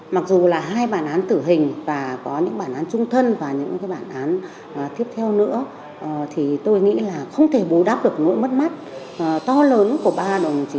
mặc dù là hai bản án tử hình và có những bản án trung thân và những bản án tiếp theo nữa thì tôi nghĩ là không thể bố đáp được nỗi mất mát to lớn của ba đồng chí